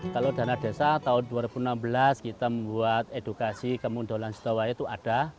kalau dana desa tahun dua ribu enam belas kita membuat edukasi kemundolan sitowaya itu ada